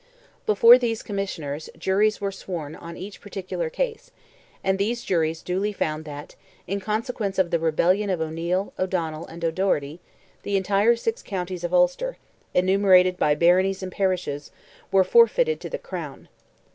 Before these Commissioners Juries were sworn on each particular case, and these Juries duly found that, in consequence of "the rebellion" of O'Neil, O'Donnell, and O'Doherty, the entire six counties of Ulster, enumerated by baronies and parishes, were forfeited to the Crown.